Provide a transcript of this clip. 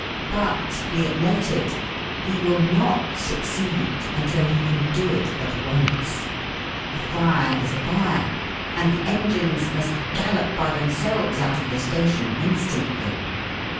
But, be it noted, he will not succeed until he can do it at once. A fire is a fire, and the engines must gallop by themselves out of the station instantly.